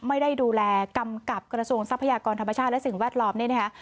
ไม่ได้ดูแลกำกับกระทรวงทรัพยากรธรรมชาติและสิ่งแวดล้อมเนี่ยนะคะ